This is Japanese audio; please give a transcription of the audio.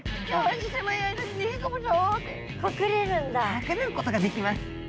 隠れることができます。